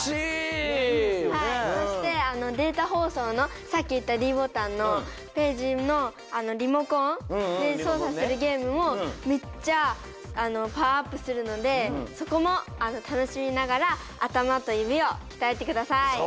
そしてデータほうそうのさっきいったＤボタンのページのリモコンでそうさするゲームもめっちゃパワーアップするのでそこもたのしみながらあたまとゆびをきたえてください。